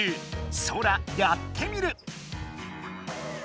ソラやってみる！